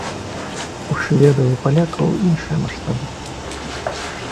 У шведаў і палякаў іншыя маштабы.